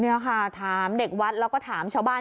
นี่ค่ะถามเด็กวัดแล้วก็ถามชาวบ้าน